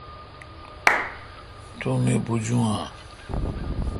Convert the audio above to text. تو مہ بوجو اؘ۔